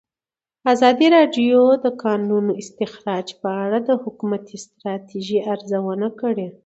ازادي راډیو د د کانونو استخراج په اړه د حکومتي ستراتیژۍ ارزونه کړې.